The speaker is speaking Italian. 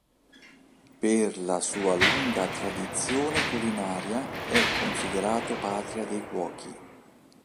Per la sua lunga tradizione culinaria è considerato patria dei cuochi.